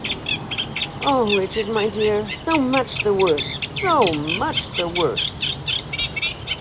Oh, Richard, my dear, so much the worse, so much the worse!